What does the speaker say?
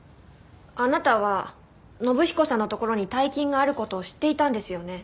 あなたは信彦さんのところに大金がある事を知っていたんですよね？